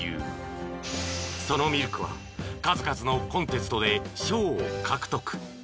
［そのミルクは数々のコンテストで賞を獲得］